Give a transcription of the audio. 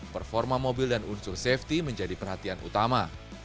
performa mobil dan unsur safety menjadi perhatian utama